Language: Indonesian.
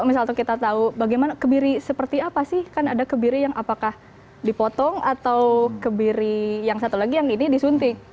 misal kita tahu bagaimana kebiri seperti apa sih kan ada kebiri yang apakah dipotong atau kebiri yang satu lagi yang ini disuntik